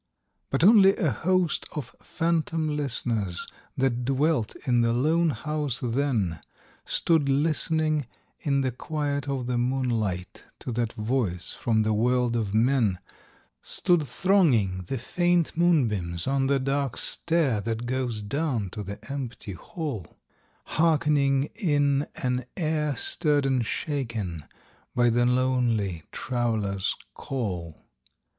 But only a host of phantom listeners That dwelt in the lone house then Stood listening in the quiet of the moonlight To that voice from the world of men: Stood thronging the faint moonbeams on the dark stair That goes down to the empty hall, Hearkening in an air stirred and shaken By the lonely Traveler's call.